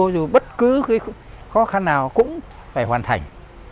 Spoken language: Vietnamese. dù bất cứ cái khó khăn nào cũng phải hoàn thành